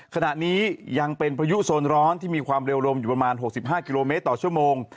ขณะนี้ยังเป็นพายุโซนร้อนที่มีความเร็วลมอยู่ประมาณ๖๕กิโลเมตรต่อชั่วโมง